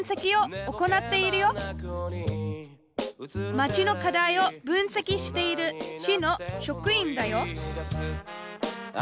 町の課題を分析している市の職員だよ